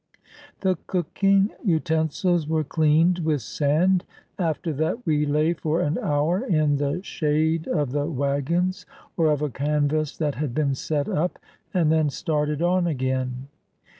The cooking utensils were cleaned with sand. After that we lay for an hour in the shade of the wagons or of a canvas that had been set up, and then started on again.